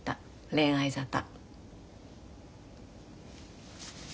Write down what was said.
恋愛沙汰。